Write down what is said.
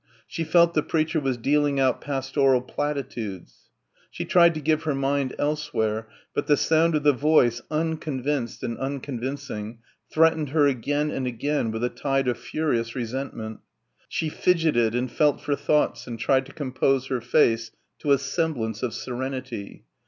She felt the preacher was dealing out "pastoral platitudes." She tried to give her mind elsewhere; but the sound of the voice, unconvinced and unconvincing threatened her again and again with a tide of furious resentment. She fidgeted and felt for thoughts and tried to compose her face to a semblance of serenity.